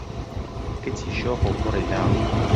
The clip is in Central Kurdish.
کچی شۆخ و کوڕی لاو